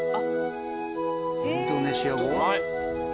インドネシア語？